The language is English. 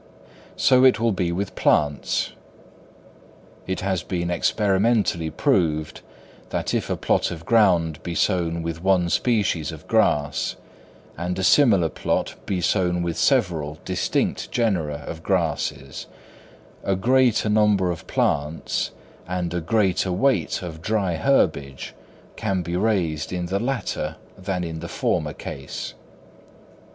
So it will be with plants. It has been experimentally proved, that if a plot of ground be sown with one species of grass, and a similar plot be sown with several distinct genera of grasses, a greater number of plants and a greater weight of dry herbage can be raised in the latter than in the former case.